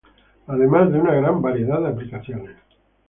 Además de una gran variedad de aplicaciones.